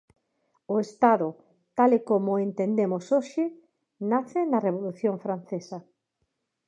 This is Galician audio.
O Estado, tal e como o entendemos hoxe, nace na Revolución Francesa.